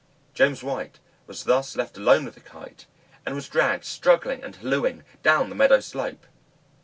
James White was thus left alone with the Kite, and was dragged struggling and hallooing down the meadow slope.